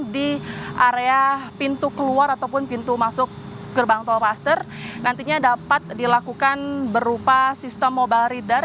di area pintu keluar ataupun pintu masuk gerbang tolpaster nantinya dapat dilakukan berupa sistem mobile reader